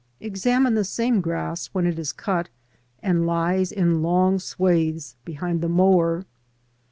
Examine the same grass when it is cut and lies in long swathes behind the mower.